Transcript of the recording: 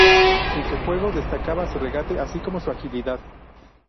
En su juego, destacaba su regate, así como su agilidad.